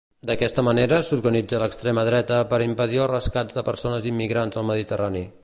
D'aquesta manera s'organitza l'extrema dreta per impedir els rescats de persones immigrants al Mediterrani.